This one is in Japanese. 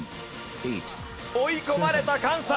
追い込まれた関西！